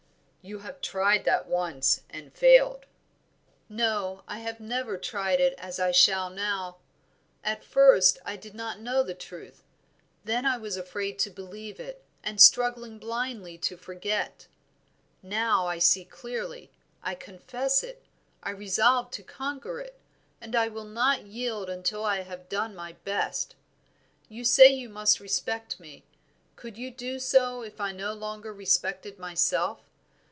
"You have tried that once, and failed." "No, I have never tried it as I shall now. At first, I did not know the truth, then I was afraid to believe, and struggled blindly to forget. Now I see clearly, I confess it, I resolve to conquer it, and I will not yield until I have done my best. You say you must respect me. Could you do so if I no longer respected myself?